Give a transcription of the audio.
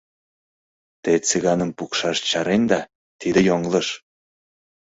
Те Цыганым пукшаш чаренда — тиде йоҥылыш!